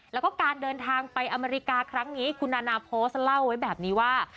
แล้วก็การเดินทางไปอเมริกาครั้งนี้คุณนานาโพสต์เล่าไว้แบบนี้ว่า